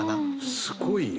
すごいよ。